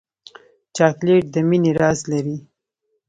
چاکلېټ د مینې راز لري.